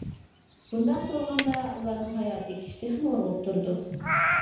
بۇنداق بولغاندا، ئۇلارنىڭ ھاياتىي كۈچى تېخىمۇ ئۇرغۇپ تۇرىدۇ.